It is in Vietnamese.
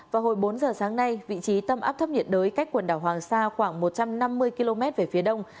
vào hồi bốn giờ sáng nay vị trí tâm áp thấp nhiệt đới cách quần đảo hoàng sa khoảng một trăm năm mươi km về phía đông